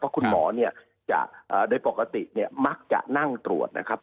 คุณหมอเนี่ยจะโดยปกติเนี่ยมักจะนั่งตรวจนะครับ